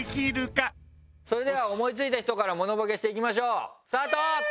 それでは思いついた人からモノボケしていきましょう。